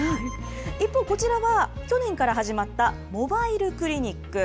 一方、こちらは去年から始まったモバイルクリニック。